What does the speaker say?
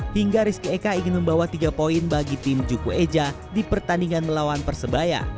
hingga rizky eka ingin membawa tiga poin bagi tim juku eja di pertandingan melawan persebaya